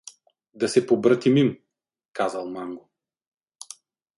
— Да се побратимим — казал манго.